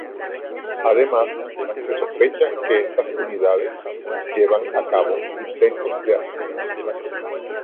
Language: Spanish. Además, se sospecha que estas unidades llevan a cabo intentos de asesinato.